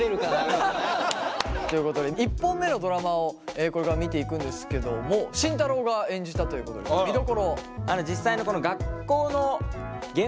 みたいな。ということで１本目のドラマをこれから見ていくんですけども慎太郎が演じたということで見どころを。